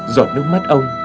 giọt nước mắt ông